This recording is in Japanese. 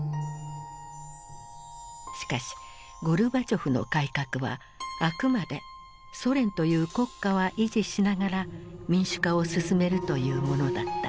しかしゴルバチョフの改革はあくまでソ連という国家は維持しながら民主化を進めるというものだった。